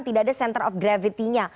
tidak ada center of gravity nya